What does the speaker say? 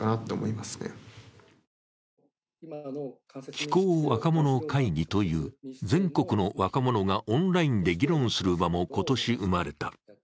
気候若者会議という全国の若者がオンラインで議論する場も今年生まれた。